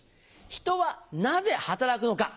「人はなぜ働くのか？」